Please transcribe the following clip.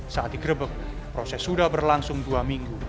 saat digrebek proses sudah berlangsung dua minggu